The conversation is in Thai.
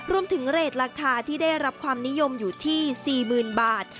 เรทราคาที่ได้รับความนิยมอยู่ที่๔๐๐๐บาท